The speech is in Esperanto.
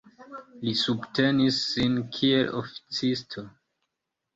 Li subtenis sin kiel oficisto.